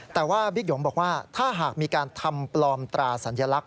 แต่ว่าบิ๊กหยงบอกว่าถ้าหากมีการทำปลอมตราสัญลักษณ